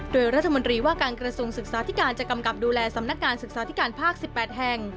โดยรัฐมนตรีว่าการกระทรวงศึกษาธิการจะกำกับดูแลสำนักงานศึกษาธิการภาค๑๘แห่ง